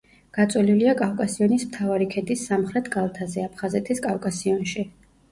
გაწოლილია კავკასიონის მთავარი ქედის სამხრეთ კალთაზე, აფხაზეთის კავკასიონში.